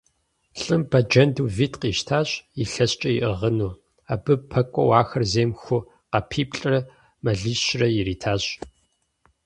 ЛӀым бэджэнду витӀ къищтащ, илъэскӀэ иӀыгъыну. Абы пэкӀуэу ахэр зейм ху къэпиплӀрэ мэлищрэ иритащ.